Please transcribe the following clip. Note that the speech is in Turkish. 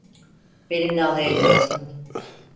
Benimle alay ediyorsun.